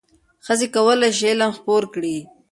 ښځې کولای شي علم خپور کړي.